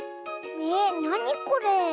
えなにこれ？